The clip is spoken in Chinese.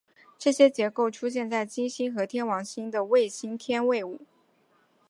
这种结构出现在金星和天王星的卫星天卫五。